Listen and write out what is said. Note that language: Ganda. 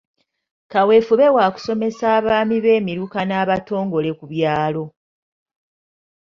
Kaweefube wa kusomesa abaami b'emiruka n'abatongole ku byalo.